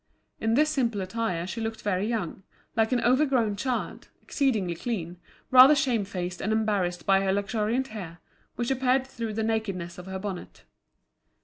In this simple attire she looked very young, like an overgrown girl, exceedingly clean, rather shamefaced and embarrassed by her luxuriant hair, which appeared through the nakedness of her bonnet.